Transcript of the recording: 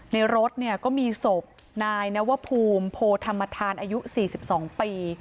ในรถเนี่ยก็มีศพนายนวพูมโพธรรมทานอายุสี่สิบสองปี